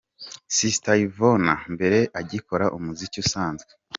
Sister Yvonne mbere agikora umuziki usanzwe.